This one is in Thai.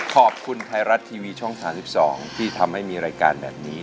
ขอบคุณไทยรัฐทีวีช่อง๓๒ที่ทำให้มีรายการแบบนี้